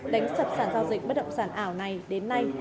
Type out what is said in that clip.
đánh sập sản giao dịch bất động sản ảo này đến nay